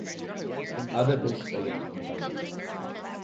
Other books are yet to be published.